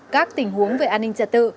các tình huống về an ninh trật tự